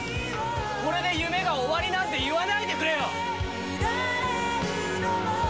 これで夢が終わりなんて言わないでくれよ！